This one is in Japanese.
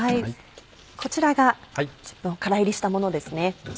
こちらが１０分空炒りしたものですね。